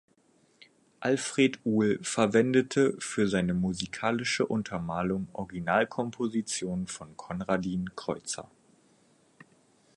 Alfred Uhl verwendete für seine musikalische Untermalung Originalkompositionen von Konradin Kreutzer.